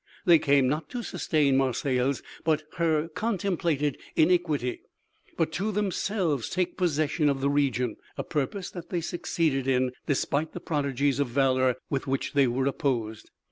They came, not to sustain Marseilles in her contemplated iniquity, but to themselves take possession of the region, a purpose that they succeeded in, despite the prodigies of valor with which they were opposed.